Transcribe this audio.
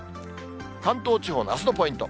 関東地方のあすのポイント。